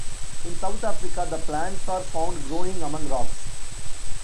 In South Africa the plants are found growing among rocks.